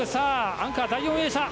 アンカー、第４泳者。